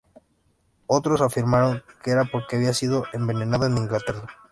Otros afirmaron que era porque había sido envenenado en Inglaterra.